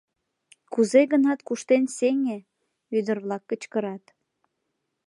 Кузе-гынат куштен сеҥе! — ӱдыр-влак кычкырат.